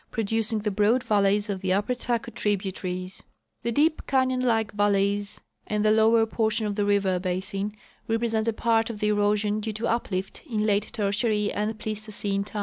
ward, jDroducing the broad valleys of the upper Taku tributaries The deep canyon like valleys in the lower portion of the river basin represent a part of the erosion due to uplift in late Tertiary and Pleistocene time.